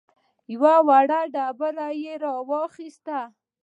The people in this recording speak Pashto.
يوه وړه ډبره يې ور واخيسته.